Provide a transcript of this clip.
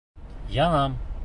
Янам!